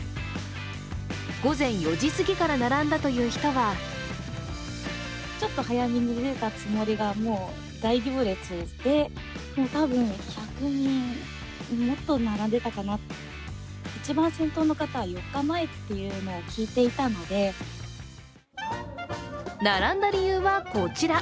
午前４時すぎから並んだという人は並んだ理由はこちら。